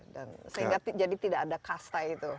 dan sehingga jadi tidak ada kasta itu